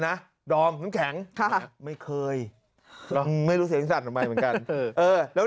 ดอมน้ำแข็งไม่เคยลองไม่รู้เสียงสั่นทำไมเหมือนกันแล้ว